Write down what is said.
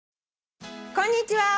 「こんにちは。